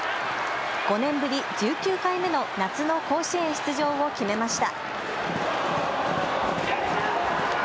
５年ぶり、１９回目の夏の甲子園出場を決めました。